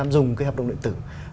dùng cái hợp đồng lệnh tử